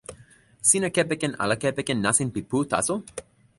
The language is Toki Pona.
sina kepeken ala kepeken nasin pi pu taso?